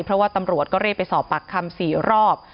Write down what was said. เพราะว่าตำรวจก็เรียกไปสอบปากคำ๔รอบ